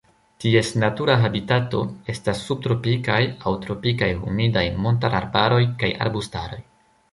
Ties natura habitato estas subtropikaj aŭ tropikaj humidaj montararbaroj kaj arbustaroj.